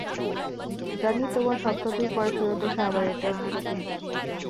জানি, তোমরা সপ্তাহ দুই পরে ফেরত এসে আবার এটা খুঁড়ে তুলবে।